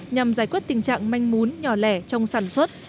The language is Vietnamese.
nhằm giải quyết tình trạng manh mún nhỏ lẻ trong sản xuất